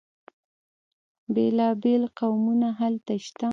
بیلا بیل قومونه هلته شته.